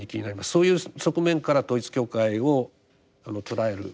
そういう側面から統一教会を捉える。